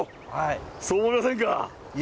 そう思いませんか？